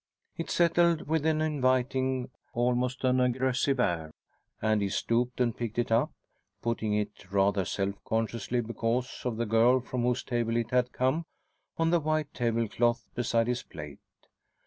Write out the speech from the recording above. It settled with an inviting, almost an aggressive air. And he stooped and picked it up, putting it rather self consciously, because of the girl from whose table it had come, on the white tablecloth beside his plate.